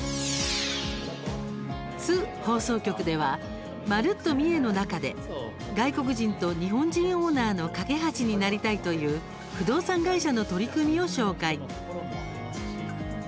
津放送局では「まるっと！みえ」の中で外国人と日本人オーナーの懸け橋になりたいという不動産会社の取り組みを紹介。